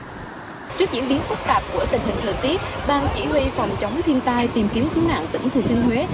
trước diễn biến phức tạp của tình hình lợi tiết bang chỉ huy phòng chống thiên tai tìm kiếm cứu nạn tỉnh thừa thiên huế